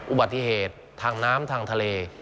อุบัติเหตุทางน้ำทางทะเล